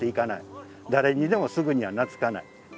誰にでもすぐには懐かない。